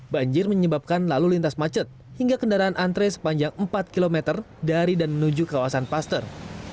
banjir menyebabkan lalu lintas macet hingga kendaraan antre sepanjang empat km dari dan menuju kawasan paster